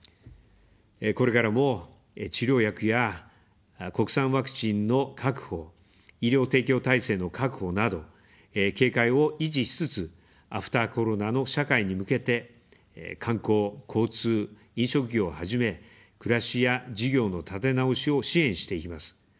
これからも治療薬や国産ワクチンの確保、医療提供体制の確保など警戒を維持しつつ、アフターコロナの社会に向けて、観光、交通、飲食業をはじめ、暮らしや事業の立て直しを支援していきます。